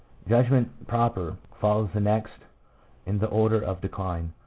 Judgment, proper, follows next in the order of decline.